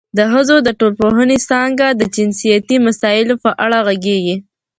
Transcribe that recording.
د ښځو د ټولنپوهنې څانګه د جنسیتي مسایلو په اړه غږېږي.